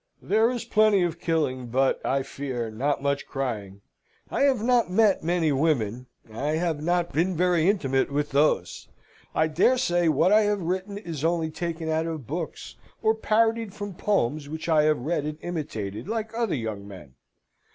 "There is plenty of killing, but, I fear, not much crying. I have not met many women. I have not been very intimate with those. I daresay what I have written is only taken out of books or parodied from poems which I have read and imitated like other young men.